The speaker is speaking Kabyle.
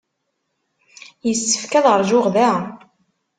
Yessefk ad ṛjuɣ da.